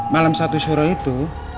malam satu suruh itu